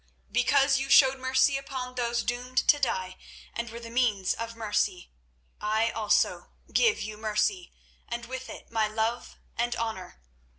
Because you showed mercy upon those doomed to die and were the means of mercy, I also give you mercy, and with it my love and honour.